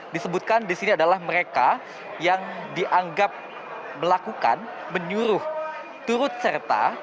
disebutkan di sini adalah mereka yang dianggap melakukan menyuruh turut serta